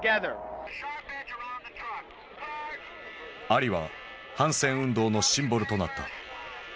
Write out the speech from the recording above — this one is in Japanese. アリは反戦運動のシンボルとなった。